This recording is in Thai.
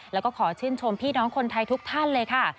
แล้วก็ขอชื่นชมพี่น้องคนไทยทุกท่านเลยค่ะ